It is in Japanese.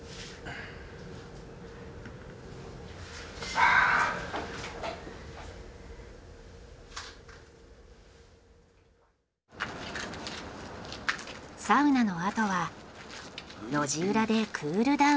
サウナのあとは路地裏でクールダウン。